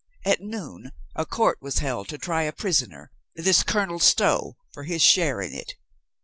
At noon a court was held to try a prisoner, this Colonel Stow, for his share in it.